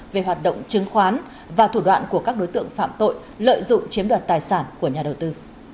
về hoạt động chứng khoán và thủ đoạn của các đối tượng phạm tội lợi dụng chiếm đoạt tài sản của nhà đầu tư